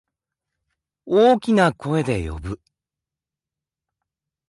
大きな声で呼ぶ。